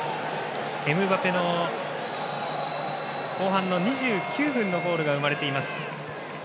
エムバペの後半の２９分のゴールが生まれています。